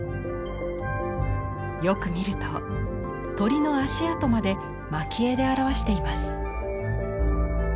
よく見ると鳥の足跡まで蒔絵で表しています。